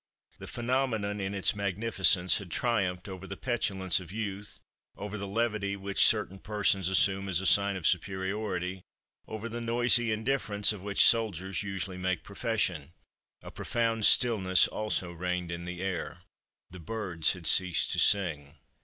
The phenomenon in its magnificence had triumphed over the petulance of youth, over the levity which certain persons assume as a sign of superiority, over the noisy indifference of which soldiers usually make profession. A profound stillness also reigned in the air; the birds had ceased to sing.